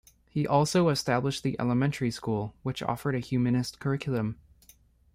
He also established the elementary school, which offered a humanist curriculum.